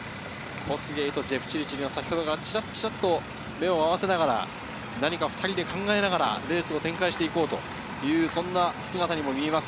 コスゲイとジェプチルチルがチラチラと目を合わせながら２人で考えながらレースを展開していこうというそんな姿にも見えます。